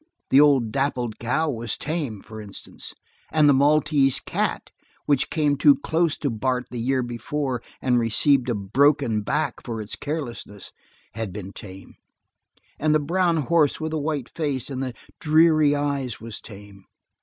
The old dappled cow was tame, for instance; and the Maltese cat, which came too close to Bart the year before and received a broken back for its carelessness, had been tame; and the brown horse with the white face and the dreary eyes was tame.